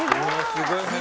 すごい話。